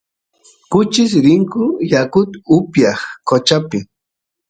kuchis rinku yakut upyaq qochapi